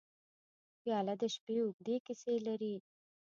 پیاله د شپې اوږدې کیسې لري.